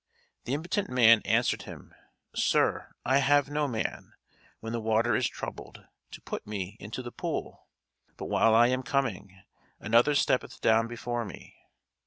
The impotent man answered him, Sir, I have no man, when the water is troubled, to put me into the pool: but while I am coming, another steppeth down before me.